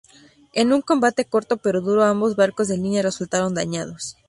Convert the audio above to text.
En un combate corto pero duro, ambos barcos de línea resultaron dañados.